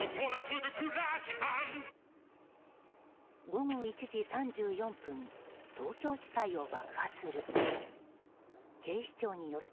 午後１時３４分東京地裁を爆破する。